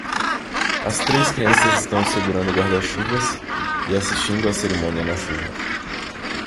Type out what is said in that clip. As três crianças estão segurando guarda-chuvas e assistindo a cerimônia na chuva.